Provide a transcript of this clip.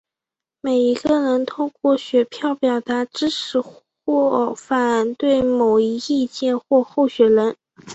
每一个人通过选票表达支持或反对某一意见或候选人。